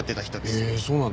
ええそうなんだ。